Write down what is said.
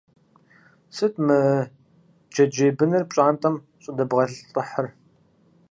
Сыт мы джэджьей быныр пщӀантӀэм щӀыдэбгъэлӀыхьыр?